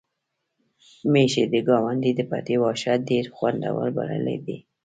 میښې د ګاونډي د پټي واښه ډېر خوندور بللي دي.